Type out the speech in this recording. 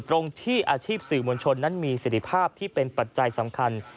ตรงที่อาชีพสื่อมวลชนนั้นมีสิทธิภาพที่เป็นปัจจัยสำคัญ